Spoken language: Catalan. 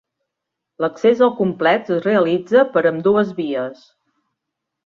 L'accés al complex es realitza per ambdues vies.